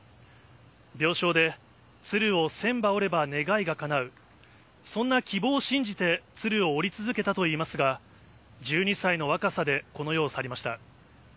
病床で鶴を千羽折れば願いがかなう、そんな希望を信じて、鶴を折り続けたといいますが、１２歳の若さでこの世を去りました。